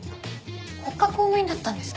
国家公務員だったんですか？